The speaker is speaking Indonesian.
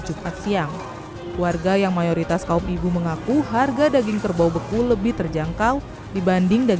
jumat siang warga yang mayoritas kaum ibu mengaku harga daging kerbau beku lebih terjangkau dibanding dan